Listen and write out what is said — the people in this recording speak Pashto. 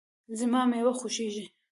زما مېوه خوښیږي